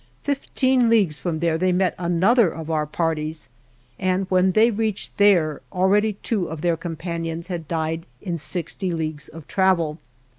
Fifteen leagues from there they met another of our parties, and when they reached there, already two of their companions had died in sixty leagues of travel.